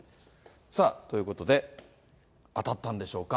さあ、ということで、当たったんどうでしょうか。